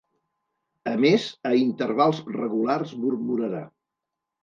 A més, a intervals regulars murmurarà.